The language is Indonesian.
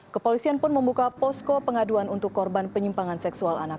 kepolisian pun membuka posko pengaduan untuk korban penyimpangan seksual anak